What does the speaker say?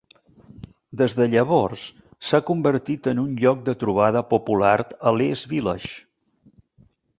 Des de llavors, s"ha convertit en un lloc de trobada popular a l"East Village.